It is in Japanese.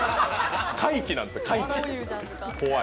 怪奇なんですよ、怖い。